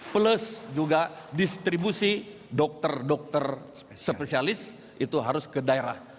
plus juga distribusi dokter dokter spesialis itu harus ke daerah